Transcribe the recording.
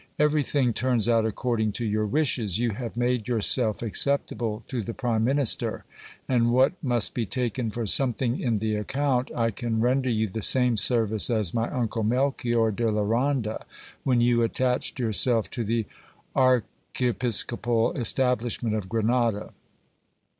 Everything rums out according to your wishes : you have made yourself acceptable to the prime minister ; and what must be taken for some thing in the account, I can render you the same service as my uncle Melchior de la Ronda, when you attached yourself to the archiepiscopal establishment of Grenada.